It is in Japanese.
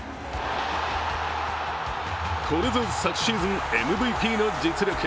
これぞ昨シーズンＭＶＰの実力。